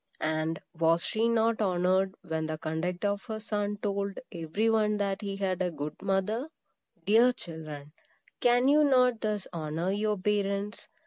And was she not honored, when the conduct of her son told every one that he had a good mother? Dear children, can you not thus honor your parents?